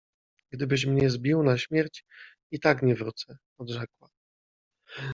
— Gdybyś mnie zbił na śmierć, i tak nie wrócę! — odrzekła.